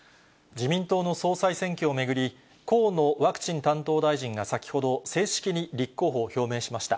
自民党の総裁選挙を巡り、河野ワクチン担当大臣が先ほど、正式に立候補を表明しました。